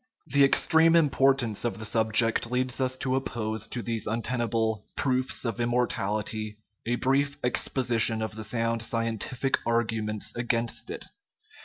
The extreme importance of the subject leads us to oppose to these untenable " proofs of immortality " a brief exposition of the sound scientific arguments against it.